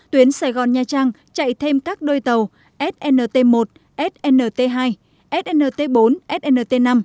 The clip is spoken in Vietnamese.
tuyến sài gòn nha trang chạy thêm các đôi tàu snt một snt hai snt bốn snt năm